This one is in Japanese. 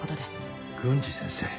郡司先生。